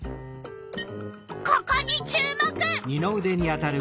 ここに注目！